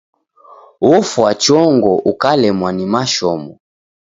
Ofwa chongo ukalemwa ni mashomo.